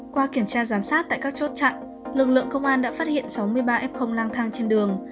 qua kiểm tra giám sát tại các chốt chặn lực lượng công an đã phát hiện sáu mươi ba f lang thang trên đường